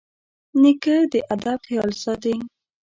نیکه د ادب خیال ساتي.